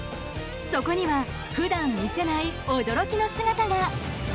そこには、普段見せない驚きの姿が。